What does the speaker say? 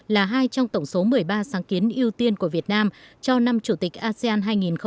là hai trong tổng số một mươi ba sáng kiến ưu tiên của việt nam cho năm chủ tịch asean hai nghìn hai mươi